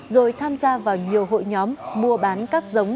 rồi tham gia vào nhiều hội nhóm mua bán các giống